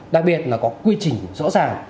đặc biệt là có quy trình rõ ràng